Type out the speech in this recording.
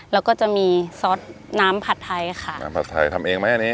แล้วก็จะมีซอสน้ำผัดไทยค่ะน้ำผัดไทยทำเองไหมอันนี้